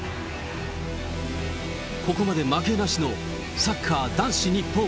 ここまで負けなしのサッカー男子日本。